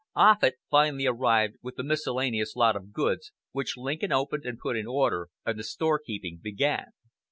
Offut finally arrived with a miscellaneous lot of goods, which Lincoln opened and put in order, and the storekeeping began.